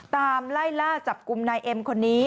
ตามไล่ล่าจับกลุ่มนายเอ็มคนนี้